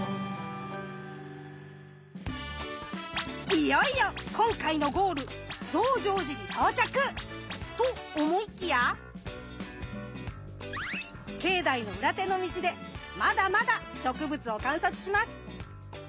いよいよ今回のゴール増上寺に到着！と思いきや境内の裏手の道でまだまだ植物を観察します。